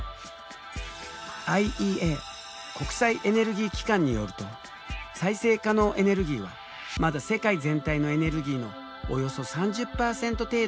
ＩＥＡ国際エネルギー機関によると再生可能エネルギーはまだ世界全体のエネルギーのおよそ３０％程度にすぎない。